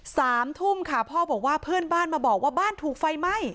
สามทุ่มค่ะพ่อบอกว่าเพื่อนบ้านมาบอกว่าบ้านถูกไฟไหม้